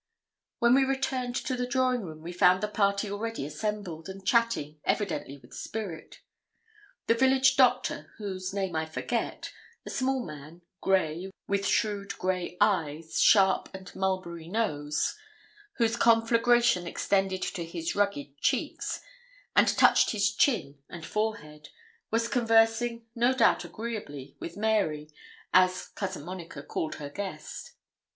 When we returned to the drawing room, we found the party already assembled, and chatting, evidently with spirit. The village doctor, whose name I forget, a small man, grey, with shrewd grey eyes, sharp and mulberry nose, whose conflagration extended to his rugged cheeks, and touched his chin and forehead, was conversing, no doubt agreeably, with Mary, as Cousin Monica called her guest.